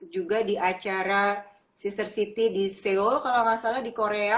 juga di acara sister city di seoul kalau nggak salah di korea